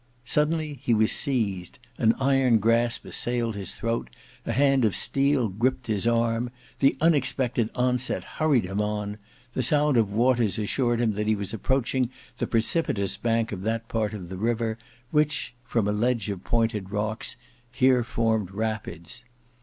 Suddenly he was seized; an iron grasp assailed his throat, a hand of steel griped his arm. The unexpected onset hurried him on. The sound of waters assured him that he was approaching the precipitous bank of that part of the river which, from a ledge of pointed rocks, here formed rapids.